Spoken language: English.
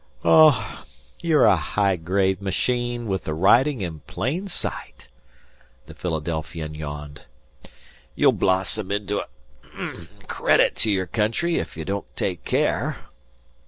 "Oh, you're a high grade machine, with the writing in plain sight," the Philadelphian yawned. "You'll blossom into a credit to your country if you don't take care."